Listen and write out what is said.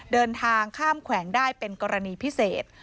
เดินทางข้ามแขวงได้เป็นกรณีพิเศษ